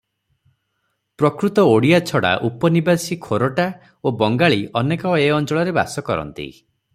ପ୍ରକୃତ ଓଡ଼ିୟା ଛଡ଼ା ଉପନିବାସୀ ଖୋରଟା ଓ ବଙ୍ଗାଳୀ ଅନେକ ଏ ଅଞ୍ଚଳରେ ବାସ କରନ୍ତି ।